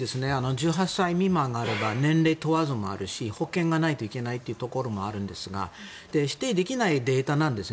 １８歳未満であれば年齢問わずもあるし保険がないというところもあるんですが否定できないデータなんです